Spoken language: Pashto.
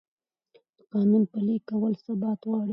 د قانون پلي کول ثبات غواړي